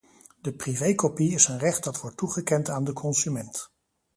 De privé-kopie is een recht dat wordt toegekend aan de consument.